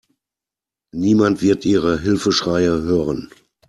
Niemand wird Ihre Hilfeschreie hören.